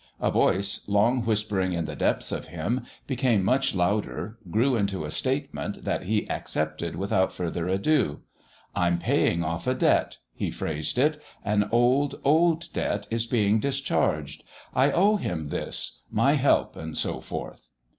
A voice, long whispering in the depths of him, became much louder, grew into a statement that he accepted without further ado: "I'm paying off a debt," he phrased it, "an old, old debt is being discharged. I owe him this my help and so forth."